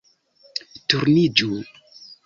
Turniĝu